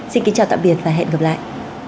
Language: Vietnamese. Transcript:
xin kính chào tạm biệt và hẹn gặp lại